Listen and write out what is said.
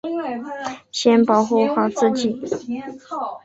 好好保护自己